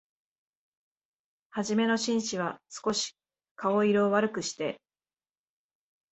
はじめの紳士は、すこし顔色を悪くして、